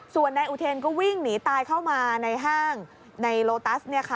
ส่วนนายอุเทนก็วิ่งหนีตายเข้ามาในห้างในโลตัส